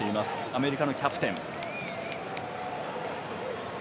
アメリカのキャプテン。